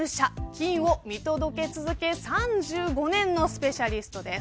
金を見届け続け３５年のスペシャリストです。